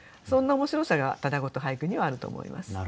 そんな面白さがただごと俳句にはあると思います。